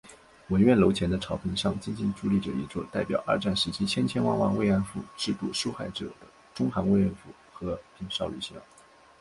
文苑楼前的草坪上静静矗立着一座代表二战时期千千万万“慰安妇”制度受害者的中韩“慰安妇”和平少女像